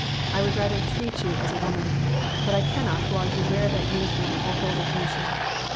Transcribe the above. I would rather treat you as a woman, but I cannot while you wear that uniform or hold a commission.